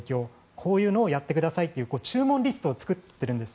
こういうのをやってくださいと注文リストを作っているんです。